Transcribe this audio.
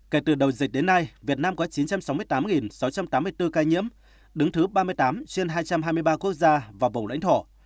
kể từ đầu dịch đến nay việt nam có chín trăm sáu mươi tám sáu trăm tám mươi bốn ca nhiễm đứng thứ ba mươi tám trên hai trăm hai mươi ba quốc gia và vùng lãnh thổ